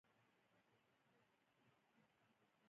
• د ورځې رڼا د سبا لپاره امید راوړي.